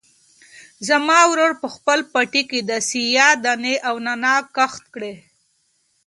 زما ورور په خپل پټي کې د سیاه دانې او نعناع کښت کړی.